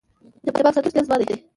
د پاک ساتلو مسولیت زما دی .